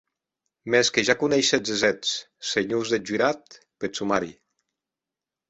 Mès que ja coneishetz es hèts, senhors deth jurat, peth somari.